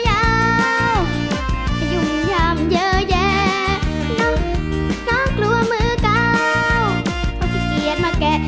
เพราะขี้เกียจมาแกะ